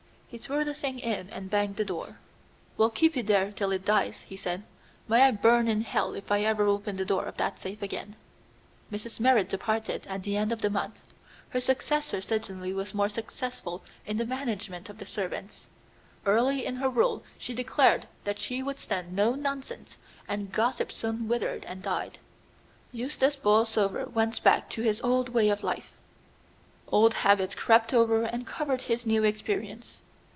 He threw the thing in and banged the door. "We'll keep it there till it dies," he said. "May I burn in hell if I ever open the door of that safe again." Mrs. Merrit departed at the end of the month. Her successor certainly was more successful in the management of the servants. Early in her rule she declared that she would stand no nonsense, and gossip soon withered and died. Eustace Borlsover went back to his old way of life. Old habits crept over and covered his new experience.